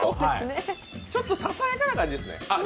ちょっとささやかな感じですね。